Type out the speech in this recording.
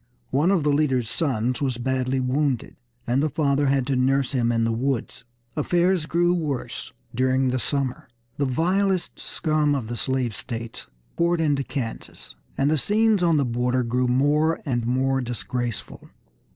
One of the leader's sons was badly wounded, and the father had to nurse him in the woods. Affairs grew worse during the summer. The vilest scum of the slave states poured into Kansas, and the scenes on the border grew more and more disgraceful.